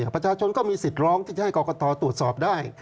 ประชาชนก็มีสิทธิ์ร้องที่จะให้กรกฏอตรวจสอบได้